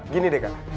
gini deh kakak